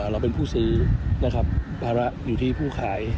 เราเป็นผู้ซื้อนะครับภาระอยู่ที่ผู้ขาย